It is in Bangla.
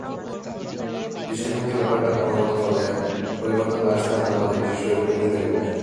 দৃষ্টিভঙ্গি ব্যাপারটা মনোগত, ফলে পরিবর্তনটা আসতে হবে আমাদের, বিশেষ করে পুরুষদের মনে।